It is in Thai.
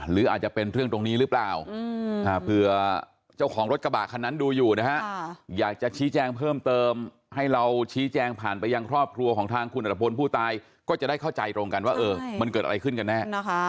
หรืออาจจะเป็นเรื่องตรงนี้หรือเปล่าเผื่อเจ้าของรถกระบะคันนั้นดูอยู่นะฮะอยากจะชี้แจงเพิ่มเติมให้เราชี้แจงผ่านไปยังครอบครัวของทางคุณอัตภพลผู้ตายก็จะได้เข้าใจตรงกันว่ามันเกิดอะไรขึ้นกันแน่